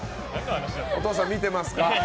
お父さん見てますか。